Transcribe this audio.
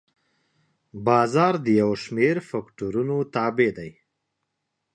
بازار د یو شمېر فکتورونو تابع دی.